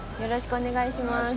お願いします。